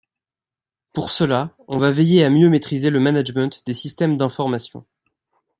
Pour cela on va veiller à mieux maîtriser le management des systèmes d'information.